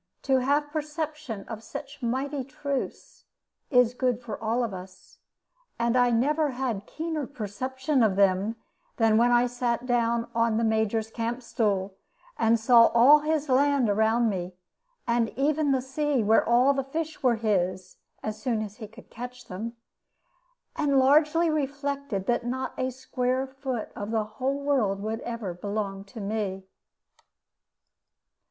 To have perception of such mighty truths is good for all of us: and I never had keener perception of them than when I sat down on the Major's camp stool, and saw all his land around me, and even the sea where all the fish were his, as soon as he could catch them and largely reflected that not a square foot of the whole world would ever belong to me.